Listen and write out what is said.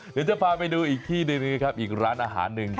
เดี๋ยวจะพาไปดูอีกที่หนึ่งครับอีกร้านอาหารหนึ่ง